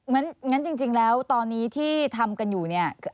เมื่ออย่างนั้นจริงแล้วตอนนี้ที่ทำกันอยู่